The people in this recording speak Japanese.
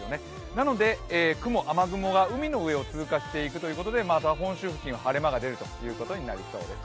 なので雨雲が海の上を通過していくということで本州付近、晴れ間が出るということになりそうです。